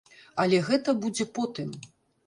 Але гэта будзе потым.